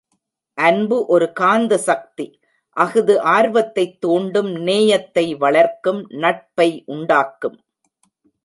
அன்பு ஒரு காந்த சக்தி அஃது ஆர்வத்தைத் தூண்டும் நேயத்தை வளர்க்கும் நட்பை உண்டாக்கும்.